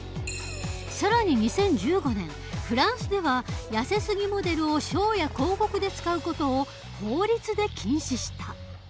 更に２０１５年フランスではやせすぎモデルをショーや広告で使う事を法律で禁止した。